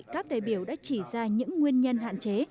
các đại biểu đã chỉ ra những nguyên nhân hạn chế